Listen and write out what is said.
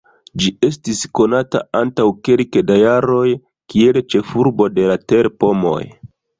Ĝi estis konata antaŭ kelke da jaroj kiel "ĉefurbo de la terpomoj".